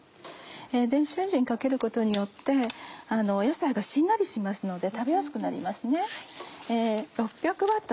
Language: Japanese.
電子レンジにかけることによって野菜がしんなりしますので食べやすくなりますね。